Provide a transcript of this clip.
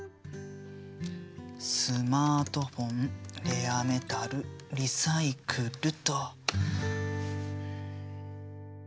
「スマートフォン」「レアメタル」「リサイクル」と。